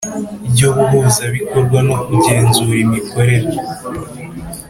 ry Ubuhuzabikorwa no kugenzura imikorere